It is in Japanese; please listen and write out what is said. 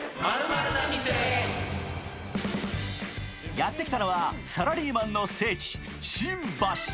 やってきたのはサラリーマンの聖地・新橋。